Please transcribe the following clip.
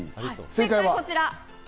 正解はこちら！